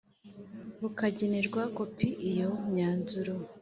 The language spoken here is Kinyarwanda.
bukagenerwa kopi Iyo myanzuro